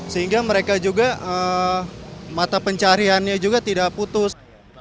sehingga mereka juga mata pencariannya juga tidak putus